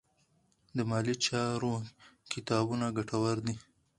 د مالي چارو کتابونه ګټور دي.